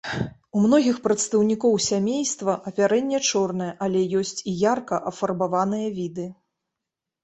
У многіх прадстаўнікоў сямейства апярэнне чорнае, але ёсць і ярка афарбаваныя віды.